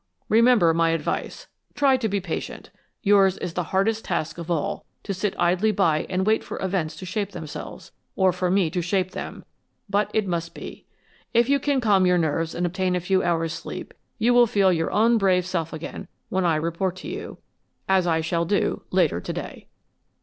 Remember my advice. Try to be patient. Yours is the hardest task of all, to sit idly by and wait for events to shape themselves, or for me to shape them, but it must be. If you can calm your nerves and obtain a few hours' sleep you will feel your own brave self again when I report to you, as I shall do, later to day."